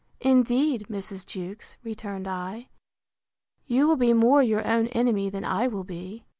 Indeed, Mrs. Jewkes, returned I, you will be more your own enemy than I will be.